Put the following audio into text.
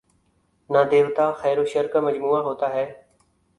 نہ دیوتا، خیر وشرکا مجموعہ ہوتا ہے۔